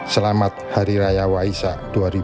selamat hari raya waisak dua ribu dua puluh